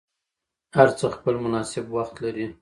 هر څه خپل مناسب وخت لري